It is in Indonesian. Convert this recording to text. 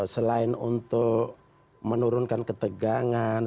selain untuk menurunkan ketegangan